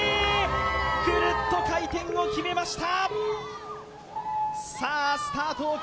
くるっと回転を決めました